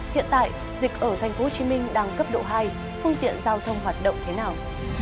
hiện tại dịch ở tp hcm đang cấp độ hai phương tiện giao thông hoạt động thế nào